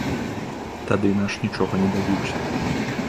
Тады наш нічога не дабіўся.